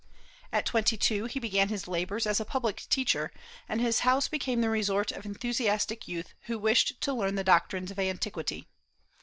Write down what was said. At twenty two he began his labors as a public teacher, and his house became the resort of enthusiastic youth who wished to learn the doctrines of antiquity.